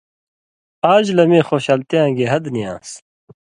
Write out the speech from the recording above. آژ لہ مِیں خوشالتیاں گی حد نی آن٘س۔